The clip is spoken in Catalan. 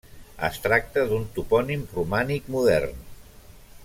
Es tracta d'un topònim romànic modern.